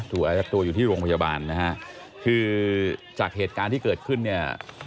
อายัดตัวอยู่ที่โรงพยาบาลนะฮะคือจากเหตุการณ์ที่เกิดขึ้นเนี่ย